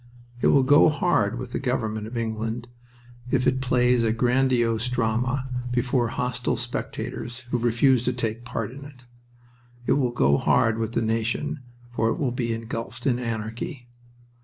It will go hard with the government of England if it plays a grandiose drama before hostile spectators who refuse to take part in it. It will go hard with the nation, for it will be engulfed in anarchy.